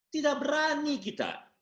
tidak berani kita